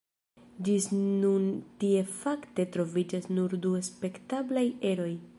Ĝis nun tie fakte troviĝas nur du spekteblaj eroj.